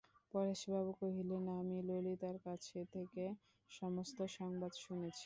পরেশবাবু কহিলেন, আমি ললিতার কাছ থেকে সমস্ত সংবাদ শুনেছি।